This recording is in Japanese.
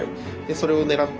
それを狙って